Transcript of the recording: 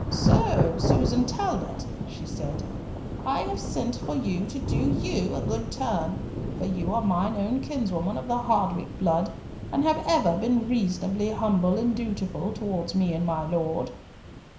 "So! Susan Talbot," she said, "I have sent for you to do you a good turn, for you are mine own kinswoman of the Hardwicke blood, and have ever been reasonably humble and dutiful towards me and my Lord."